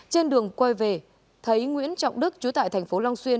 trên đường quay về thấy nguyễn trọng đức chú tại tp long xuyên